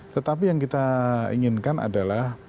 tetapi yang kita inginkan adalah